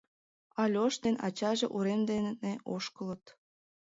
Альош ден ачаже урем дене ошкылыт.